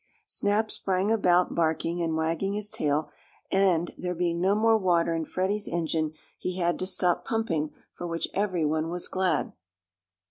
Snap sprang about, barking and wagging his tail, and, there being no more water in Freddie's engine, he had to stop pumping, for which every one was glad.